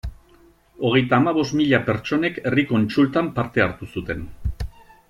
Hogeita hamabost mila pertsonek herri kontsultan parte hartu zuten.